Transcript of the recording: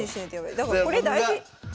だからこれ大事！